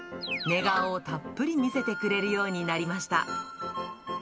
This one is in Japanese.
寝顔をたっぷり見せてくれるようになりました。